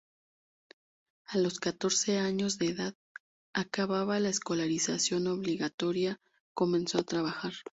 A los catorce años de edad, acabada la escolarización obligatoria, comenzó a trabajar.